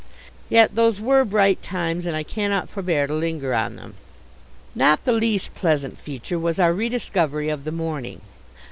Yet those were bright times and I cannot forbear to linger on them. Nor the least pleasant feature was our rediscovery of the morning.